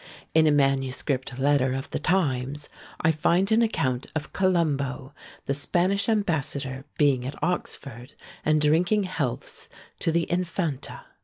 In a manuscript letter of the times, I find an account of Columbo, the Spanish ambassador, being at Oxford, and drinking healths to the Infanta.